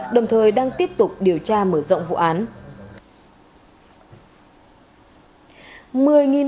đồng thời đang tiếp tục điều tra mở rộng vụ án